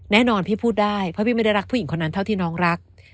แน่นอนพี่พูดได้เพราะพี่ไม่ได้รักผู้หญิงคนนั้นเท่าที่น้องรัก